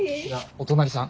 お隣さん？